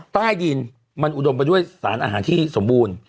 ใต้ดินมันอุดมไปด้วยสารอาหารที่สมบูรณ์